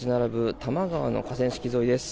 多摩川の河川敷沿いです。